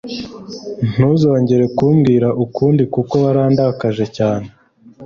Ntuzongere kumbwira ukundi kuko warandakaje cyane.